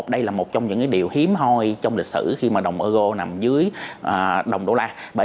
đây là một trong những điều hiếm hoi trong lịch sử khi mà đồng eur nằm dưới đồng usd